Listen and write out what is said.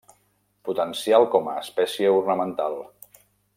Potencial com a espècie ornamental.